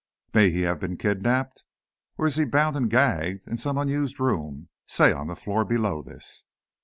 May he have been kidnaped? Or is he bound and gagged in some unused room, say on the floor below this?"